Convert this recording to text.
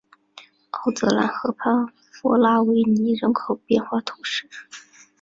奥泽兰河畔弗拉维尼人口变化图示